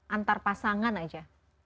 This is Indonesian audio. antar pasangan aja